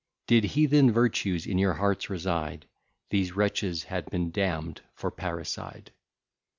Did heathen virtues in your hearts reside, These wretches had been damn'd for parricide.